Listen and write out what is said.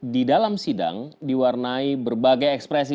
di dalam sidang diwarnai berbagai ekspresi